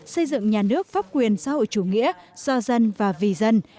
xây dựng nhà nước pháp quyền xã hội chủ nghĩa do dân và vì dân